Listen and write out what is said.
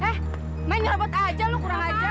eh main ngerobot aja lo kurang ajar lo